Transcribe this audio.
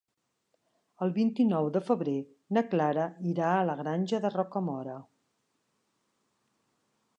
El vint-i-nou de febrer na Clara irà a la Granja de Rocamora.